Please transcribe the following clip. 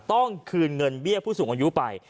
ต้องคืนเงินเบี้ยผู้สูงอายุไป